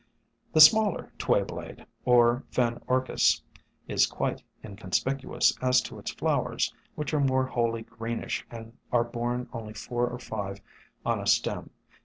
The smaller Twayblade, or Fen Orchis, is quite SOME HUMBLE ORCHIDS 139 inconspicuous as to its flowers, which are more wholly greenish and are borne only four or five on a stem.